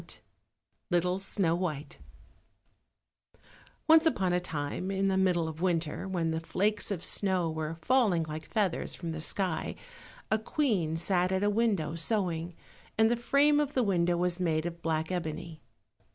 53 Little Snow white Once upon a time in the middle of winter, when the flakes of snow were falling like feathers from the sky, a queen sat at a window sewing, and the frame of the window was made of black ebony.